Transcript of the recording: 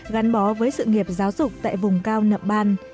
gắn bó với sự nghiệp giáo dục tại vùng cao nậm ban